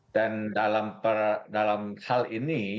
dan dalam hal ini